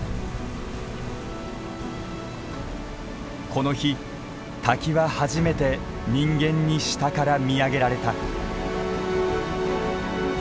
この日滝は初めて人間に下から見上げられた。